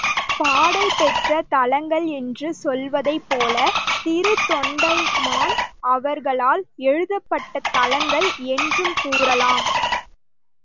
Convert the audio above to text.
பாடல் பெற்ற தலங்கள் என்று சொல்வதைப் போல, திரு தொண்டைமான் அவர்களால் எழுதப்பட்ட தலங்கள் என்றும் கூறலாம்.